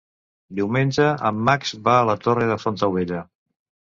Diumenge en Max va a la Torre de Fontaubella.